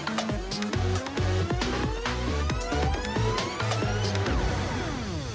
แต้ไว้แวบ